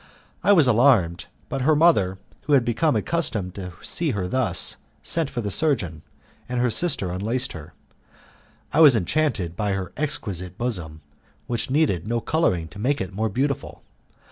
I was alarmed, but her mother, who had become accustomed to see her thus, sent for the surgeon, and her sister unlaced her. I was enchanted with her exquisite bosom, which needed no colouring to make it more beautiful.